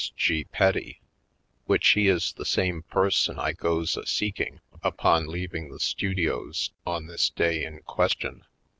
S. G. Petty, which he is the same per son I goes a seeking upon leaving the stu dios on this day in question.